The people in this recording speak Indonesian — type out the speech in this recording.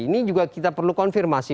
ini juga kita perlu konfirmasi